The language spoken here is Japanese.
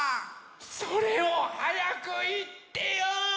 それをはやくいってよ！